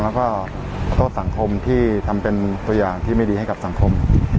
แล้วก็โทษสังคมที่ทำเป็นตัวอย่างที่ไม่ดีให้กับสังคม